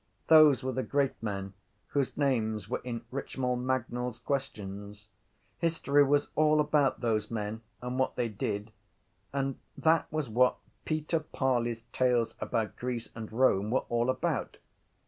Those were the great men whose names were in Richmal Magnall’s Questions. History was all about those men and what they did and that was what Peter Parley’s Tales about Greece and Rome were all about.